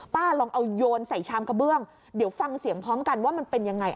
ลองเอาโยนใส่ชามกระเบื้องเดี๋ยวฟังเสียงพร้อมกันว่ามันเป็นยังไง